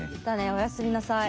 おやすみなさい。